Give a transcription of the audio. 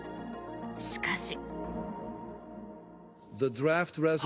しかし。